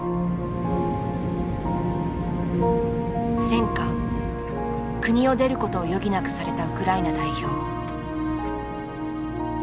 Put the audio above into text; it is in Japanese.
戦禍国を出ることを余儀なくされたウクライナ代表。